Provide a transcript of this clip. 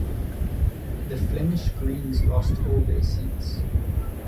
The Flemish Greens lost all their seats.